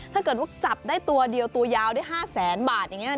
ถ้าเกิดว่าจับได้ตัวเดียวตัวยาวได้๕แสนบาทอย่างนี้